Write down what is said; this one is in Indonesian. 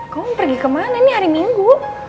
kau mau pergi kemana nih hari minggu